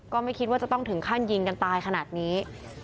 ก็ไม่คิดว่าจะต้องถึงขั้นยิงกันตายขนาดนี้